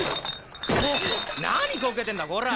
何こけてんだこら！